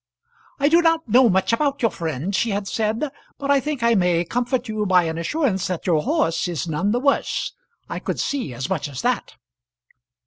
"I do not know much about your friend," she had said; "but I think I may comfort you by an assurance that your horse is none the worse. I could see as much as that."